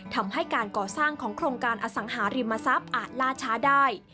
ทำให้การก่อสร้างของโครงการอสังหาริมทรัพย์อาจล่าช้าได้